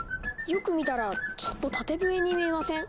よく見たらちょっと縦笛に見えません？